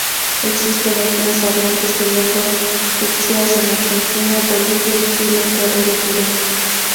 Existen etnias hablantes de lenguas quechuas en Argentina, Bolivia, Chile, Ecuador y Perú.